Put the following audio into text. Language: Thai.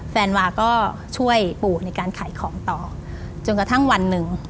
แฟนวาก็ช่วยปู่ในการขายของต่อจนกระทั่งวันหนึ่ง